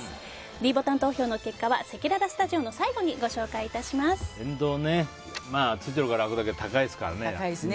ｄボタン投票の結果はせきららスタジオの最後に電動はついてるほうが楽だけど高いですからね。